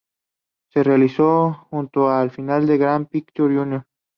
Se realizó junto a la Final del Grand Prix Júnior.